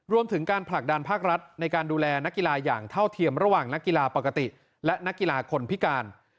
รวมถึงการผลักดันภาครัฐในการดูแลนักกีฬาอย่างเท่าเทียมระหว่างนักกีฬาปกติและนักกีฬาคนพิการ